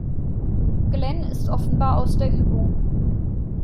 Glenn ist offenbar aus der Übung.